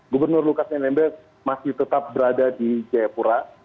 gubernur lukas nmb masih tetap berada di jayapura